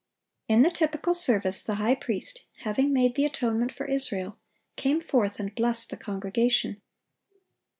In the typical service the high priest, having made the atonement for Israel, came forth and blessed the congregation.